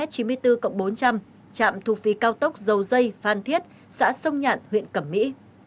trạm thu phí cao tốc dầu dây phan thiết xã sông nhạn huyện cẩm mỹ